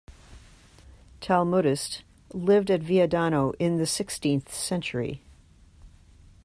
Talmudist; lived at Viadano in the sixteenth century.